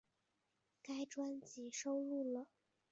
该专辑收录了十六首叶蒨文曾经演绎的电视剧或电影歌曲。